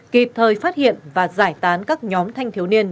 kịp thời phát hiện và giải tán các nhóm thanh thiếu niên